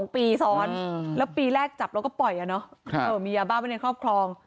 ๒ปีซ้อนแล้วปีแรกจับแล้วก็ปล่อยมียาบ้าไว้ในครอบครอง